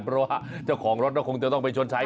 เพราะว่าเจ้าของรถก็คงจะต้องไปชดใช้